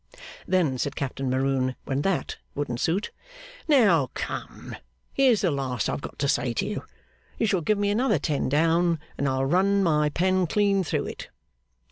Then said Captain Maroon, when that wouldn't suit, 'Now, come; Here's the last I've got to say to you. You shall give me another ten down, and I'll run my pen clean through it.